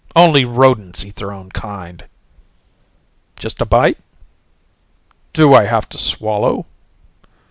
Only rodents eat their own kind." "Just a bite?" "Do I have to swallow?"